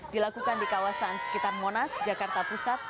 dilakukan di kawasan sekitar monas jakarta pusat